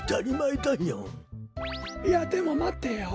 いやでもまてよ。